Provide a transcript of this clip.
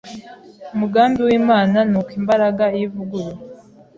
Umugambi w’Imana ni uko imbaraga y’ivugurura